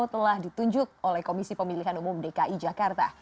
telah ditunjuk oleh komisi pemilihan umum dki jakarta